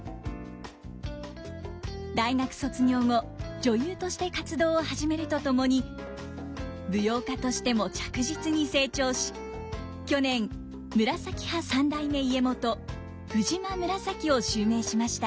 大学卒業後女優として活動を始めるとともに舞踊家としても着実に成長し去年紫派三代目家元藤間紫を襲名しました。